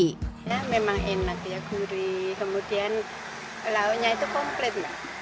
ini memang enak gurih kemudian lauknya itu komplit